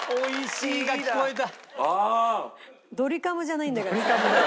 ドリカムじゃないんだからさ。